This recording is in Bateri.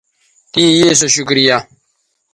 تیں یے سو شکریہ